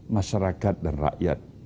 masyarakat dan rakyat